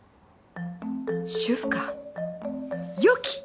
主夫かよき！